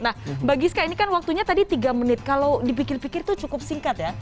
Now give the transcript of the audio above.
nah mbak giska ini kan waktunya tadi tiga menit kalau dipikir pikir itu cukup singkat ya